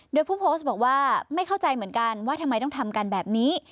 โดยผู้โพสต์บอกว่าไม่เข้าใจเหมือนกันว่าทำไมต้องทำกันแบบนี้